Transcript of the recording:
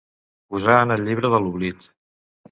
Posar en el llibre de l'oblit.